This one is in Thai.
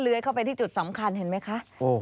เพราะว่าด้านหลังเป็นเสาส่งไฟฟ้าแรงสูง